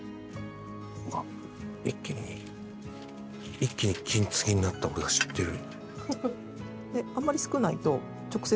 一気に一気に金継ぎになった俺が知ってる。